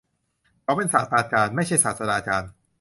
เขาเป็นศาสตราจารย์ ไม่ใช่ศาสดาจารย์